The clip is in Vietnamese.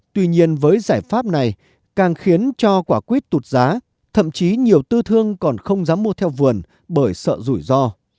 tuy nhiên với giải pháp này càng khiến cho quả quýt tụt giá thậm chí nhiều tư thương còn không dám mua theo vườn bởi sợ rủi ro